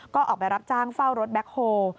ก็ออกไปรับจ้างเฝ้ารถแบ็คโฮล์